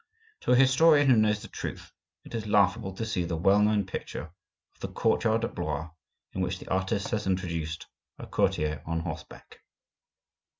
To an historian who knows the truth, it is laughable to see the well known picture of the courtyard at Blois, in which the artist has introduced a courtier on horseback!